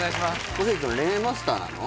小関君恋愛マスターなの？